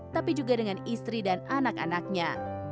tapi juga dengan istri dan anak anaknya